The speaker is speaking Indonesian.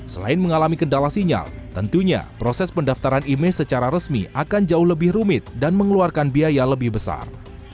selain mengalami kendala sinyal tentunya proses pendaftaran imei secara resmi akan jauh lebih rumit dan mengeluarkan biaya lebih besar